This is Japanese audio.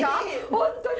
本当に？